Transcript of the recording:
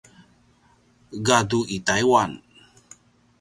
gadu i Taiwan